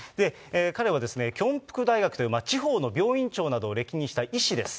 彼はキョンプク大学という地方の病院長などを歴任した医師です。